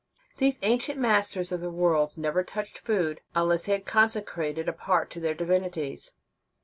Those ancient masters of the world never touched food until they had consecrated a part to their divinities.